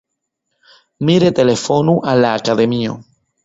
Mi retelefonu al la Akademio.